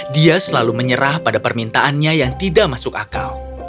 dia selalu menyerah pada permintaannya yang tidak masuk akal